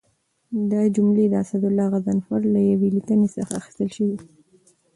دا جملې د اسدالله غضنفر له یوې لیکنې څخه اخیستل شوي دي.